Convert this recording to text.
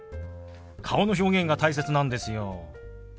顔の表現が大切なんですよ。